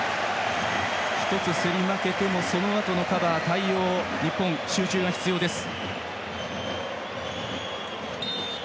１つ競り負けてもそのあとのカバー対応、日本、集中が必要です。